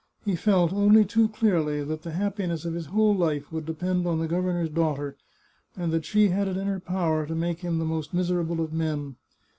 He felt, only too clearly, that the happiness of his whole life would depend on the governor's daughter, and that she had it in her power to make him the most miserable of men.